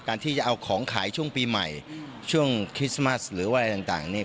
ที่จะเอาของขายช่วงปีใหม่ช่วงคริสต์มัสหรือว่าอะไรต่างเนี่ย